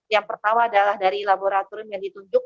yang pertama adalah dari laboratorium yang ditunjuk